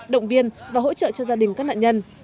động viên và hỗ trợ cho gia đình các nạn nhân